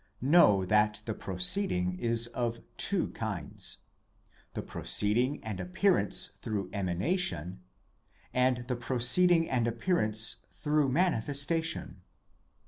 Know that proceeding 1 is of two kinds: the proceeding and appearance through emanation, and the proceeding and appearance through manifestation.